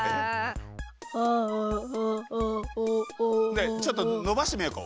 ねえちょっとのばしてみようか。